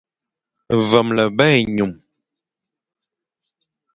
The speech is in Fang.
Vemle mba ényum.